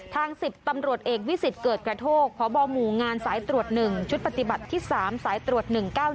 ๑๐ตำรวจเอกวิสิตเกิดกระโทกพบหมู่งานสายตรวจ๑ชุดปฏิบัติที่๓สายตรวจ๑๙๑